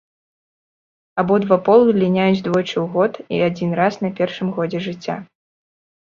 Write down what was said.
Абодва полы ліняюць двойчы ў год і адзін раз на першым годзе жыцця.